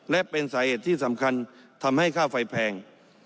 และเป็นสาเหตุที่สำคัญทำให้ค่าไฟแพง